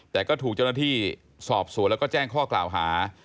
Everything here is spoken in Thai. แต่ก็ถูกเจ้าหน้าที่สอบสวนแล้วก็แจ้งข้อกล่าวหา